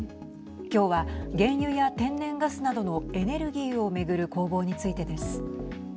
今日は原油や天然ガスなどのエネルギーを巡る攻防についてです。